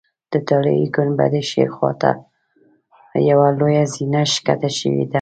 د طلایي ګنبدې ښي خوا ته یوه لویه زینه ښکته شوې ده.